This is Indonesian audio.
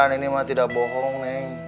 abang benar ini bukan bohong